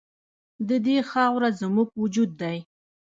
د دې خاوره زموږ وجود دی؟